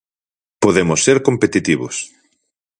Podemos ser competitivos.